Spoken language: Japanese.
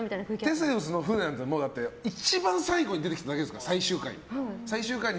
「テセウスの舟」なんて一番最後に出てきただけですから最終回に。